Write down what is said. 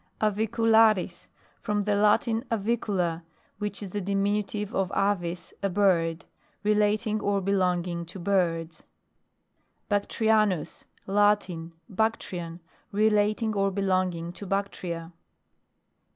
AVICULARIS. From the Latin avicula, which is the diminutive of avis, a bird. Relating or belonging to birds. BACTRIANUS. Latin. Bactrian. Re lating or belonging to Bactria.